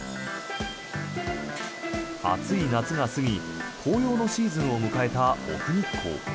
暑い夏が過ぎ紅葉のシーズンを迎えた奥日光。